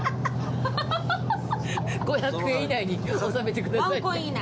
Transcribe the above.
５００円以内に収めてください。